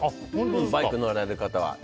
バイクに乗られる方は。